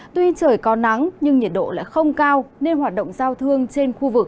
tuy trời có nắng nhưng nhiệt độ lại không cao nên hoạt động giao thương trên khu vực